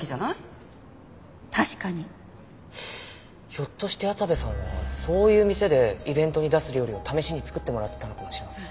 ひょっとして矢田部さんはそういう店でイベントに出す料理を試しに作ってもらってたのかもしれません。